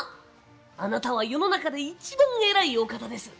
あなたは世の中でいちばん偉いお方です。